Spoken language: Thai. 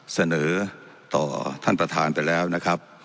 เสนอต่อท่านประธานไปแล้วนะครับ